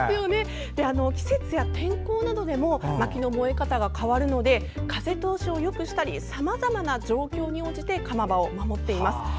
季節や天候などでも薪の燃え方が変わるので風通しをよくしたりさまざまな状況に応じて釜場を守っています。